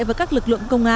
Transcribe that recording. với các lực lượng công chức